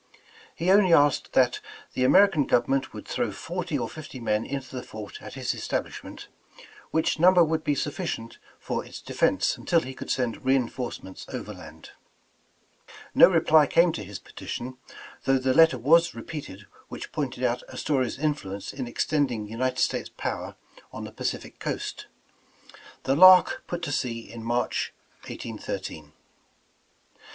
He only asked that ''the American government would throw forty or fifty men into the fort at his es tablishment, which number would be sufficient for its defense until he could send reinforcements overland." No reply came to his petition, though the letter was repeated which pointed out Astoria's influence in ex tending United States power on the Pacific coast. The Lark put to sea in March, 1813. Mr.